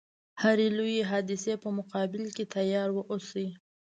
هري لويي حادثې په مقابل کې تیار و اوسي.